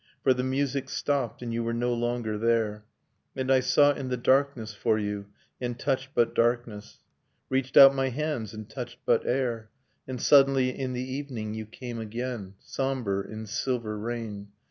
For the music stopped, and you were no longer there ; And I sought in the darkness for you, and touched but darkness. Reached out my hands and touched but air. And suddenly, in the evening, you came again, Sombre, in silver rain.